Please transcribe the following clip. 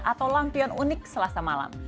atau lampion unik selasa malam